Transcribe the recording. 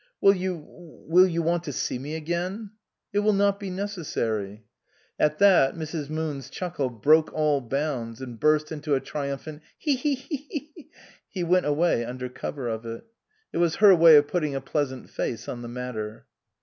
" Will you will you want to see me again ?"" It will not be necessary." At that Mrs. Moon's chuckle broke all bounds and burst into a triumphant " Tchee tchee chee !" He went away under cover of it. It was her way of putting a pleasant face on the matter.